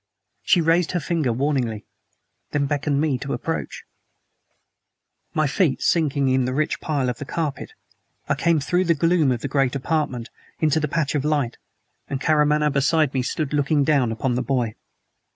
She raised her finger warningly; then beckoned me to approach. My feet sinking in the rich pile of the carpet, I came through the gloom of the great apartment in to the patch of light, and, Karamaneh beside me, stood looking down upon the boy.